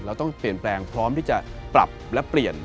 เราต้องเปลี่ยนแปลงพร้อมที่จะปรับและเปลี่ยน